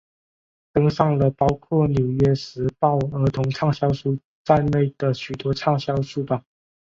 登上了包括纽约时报儿童畅销书在内的许多畅销书榜。